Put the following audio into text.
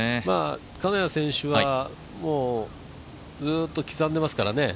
金谷選手は、もうずっと刻んでますからね。